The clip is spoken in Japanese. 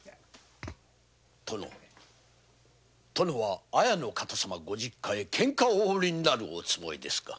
殿は綾の方様のご実家へケンカをお売りになるおつもりですか？